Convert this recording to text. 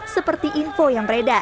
seperti info yang beredar